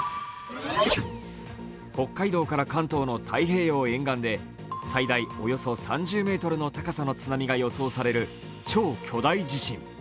北海道から関東の太平洋沿岸で最大およそ３０ｍの津波が予想される超巨大地震。